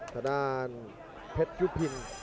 ทางด้านเพชรยุพิน